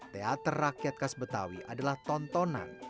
teater rakyat khas betawi adalah tontonan